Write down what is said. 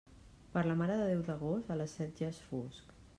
Per la Mare de Déu d'Agost, a les set ja és fosc.